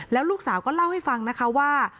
แล้วลูกสาวก็เล่าให้ฟังนะคะว่า